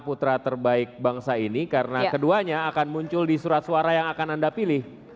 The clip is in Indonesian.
wassalamualaikum warahmatullahi wabarakatuh